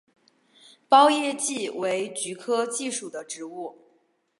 苞叶蓟为菊科蓟属的植物。